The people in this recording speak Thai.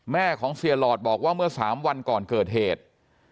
แม่ของเสียหลอดบอกว่าเมื่อ๓วันก่อนเกิดเหตุ